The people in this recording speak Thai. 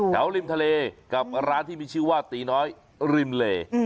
ริมทะเลกับร้านที่มีชื่อว่าตีน้อยริมเล